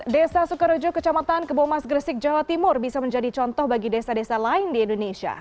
desa sukarejo kecamatan kebomas gresik jawa timur bisa menjadi contoh bagi desa desa lain di indonesia